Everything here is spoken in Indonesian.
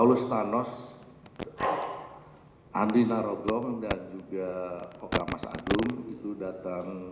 sudah mulai berawanan juga bersanun sanun